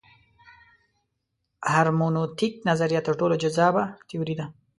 هرمنوتیک نظریه تر ټولو جذابه تیوري ده.